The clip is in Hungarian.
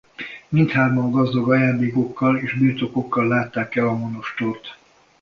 Mindhárman gazdag ajándékokkal és birtokokkal látták el a monostort.